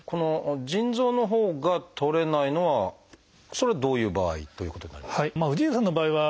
腎臓のほうがとれないのはそれはどういう場合ということになりますか？